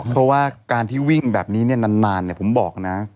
เพราะว่าการที่วิ่งแบบนี้นานผมบอกนะ